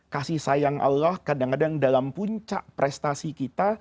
kasih sayang allah kadang kadang dalam puncak prestasi kita